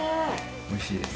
おいしいです。